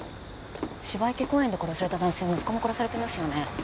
芝池公園で殺された男性息子も殺されてますよね